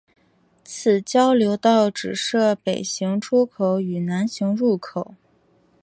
此交流道只设北行出口与南行入口。